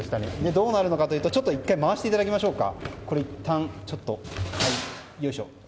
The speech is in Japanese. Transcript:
どうなるのかというと１回、回していただきましょうか。